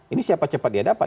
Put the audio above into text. ini siapa cepat dia dapat